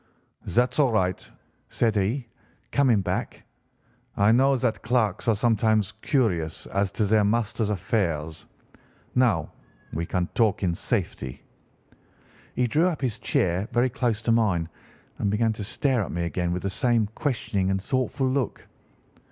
"'That's all right,' said he, coming back. 'I know that clerks are sometimes curious as to their master's affairs. Now we can talk in safety.' He drew up his chair very close to mine and began to stare at me again with the same questioning and thoughtful look.